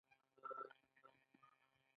مکتوبونه باید پرله پسې ګڼه ولري.